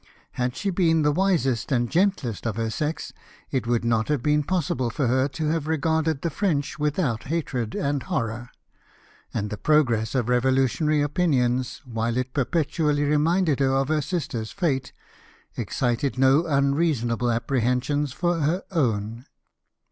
Had she been the wisest and gentlest of her sex, it would not have been possible for her to have regarded the French without hatred and horror ; and the progress of revolutionary opinion?, while it perpetually reminded her of her sister's fate, excited no unreasonable apprehensions for her own.